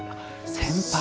先輩。